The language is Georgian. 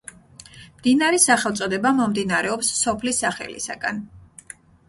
მდინარის სახელწოდება მომდინარეობს სოფლის სახელისაგან.